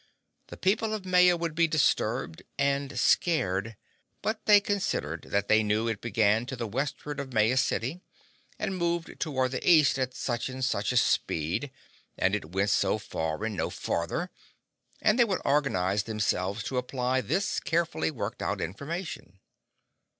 The people of Maya would be disturbed and scared. But they considered that they knew it began to the westward of Maya City, and moved toward the east at such and such a speed, and it went so far and no farther. And they would organize themselves to apply this carefully worked out information.